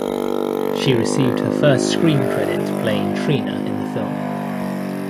She received her first screen credit playing Trina in the film.